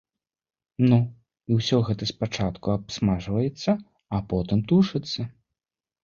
Ну, і ўсё гэта спачатку абсмажваецца, а потым тушыцца.